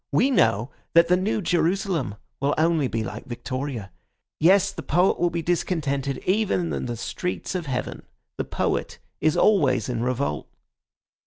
We know that the New Jerusalem will only be like Victoria. Yes, the poet will be discontented even in the streets of heaven. The poet is always in revolt."